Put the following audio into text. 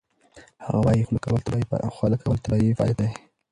هغه وايي خوله کول طبیعي فعالیت دی.